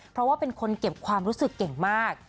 เพราะว่าเป็นคนเก็บความรู้สึกเก่งมาก